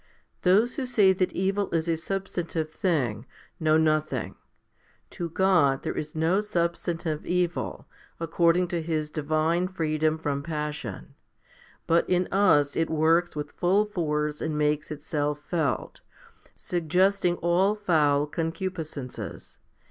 Those who say that evil is a substantive thing, know nothing. To God there is no substantive evil, according to His divine freedom from passion ; but in us it works with full force and makes itself felt, suggesting all foul con cupiscences.